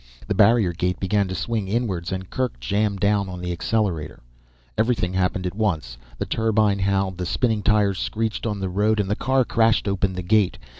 The barrier gate began to swing inwards and Kerk jammed down on the accelerator. Everything happened at once. The turbine howled, the spinning tires screeched on the road and the car crashed open the gate.